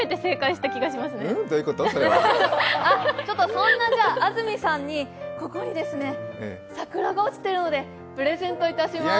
そんな安住さんに、ここに桜が落ちているのでプレゼントいたします。